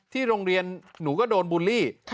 โรงเรียนหนูก็โดนบูลลี่